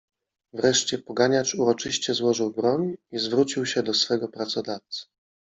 Wreszcie poganiacz uroczyście złożył broń, i zwrócił się do swego pracodawcy: -